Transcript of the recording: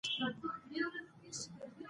دوی به د قبرونو په اړه معلومات ورکولې.